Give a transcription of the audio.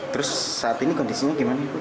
terus saat ini kondisinya gimana bu